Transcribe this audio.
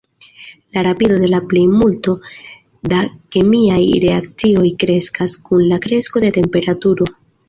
La rapido de la plejmulto da kemiaj reakcioj kreskas kun la kresko de temperaturo.